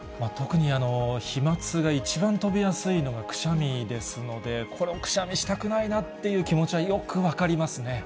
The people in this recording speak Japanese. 特に飛まつが一番飛びやすいのがくしゃみですので、これは、くしゃみしたくないなという気持ちはよく分かりますね。